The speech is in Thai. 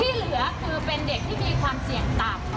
ที่เหลือคือเป็นเด็กที่มีความเสี่ยงต่ำ